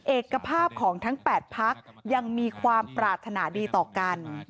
เอกภาพของทั้ง๘พักยังมีความปรารถนาดีต่อกัน